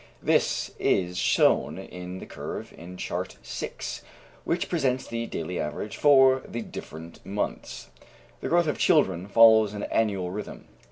This is shown in the curve in Chart 6, which presents the daily average for the different months. The growth of children follows an annual rhythm.